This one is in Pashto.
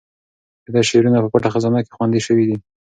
د ده شعرونه په پټه خزانه کې خوندي شوي دي.